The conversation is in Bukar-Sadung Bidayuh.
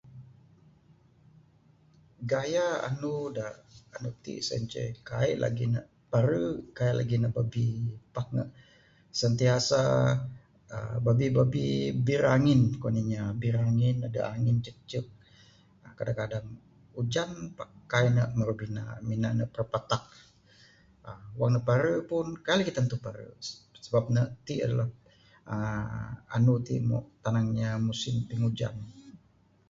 Gaya anu da anu ti sien ceh. Kaik lagih ne pare, kaik lagih ne babbi. Pak ne sentiasa aaa babbi babbi birangin kuan inya. birangin adeh angin icek icek. aaa kadang kadang ujan pak kaik ne maru bina. Mina ne prapatak. aaa wang pare pun kaik tantu pare sebab ne ti adalah aaa anu ti adalah tanang inya musim pingujan.